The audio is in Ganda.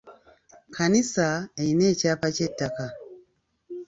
Kkanisa erina ekyapa ky'eettaka.